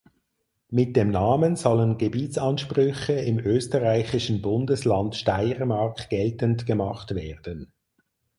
Mit dem Namen sollen Gebietsansprüche im österreichischen Bundesland Steiermark geltend gemacht werden.